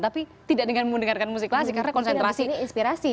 tapi tidak dengan mendengarkan musik klasik karena konsentrasi